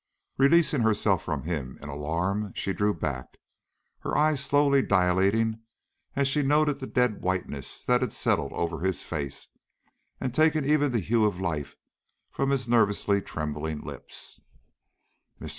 Releasing herself from him in alarm, she drew back, her eyes slowly dilating as she noted the dead whiteness that had settled over his face, and taken even the hue of life from his nervously trembling lip. "Mr.